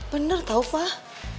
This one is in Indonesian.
bener tau pak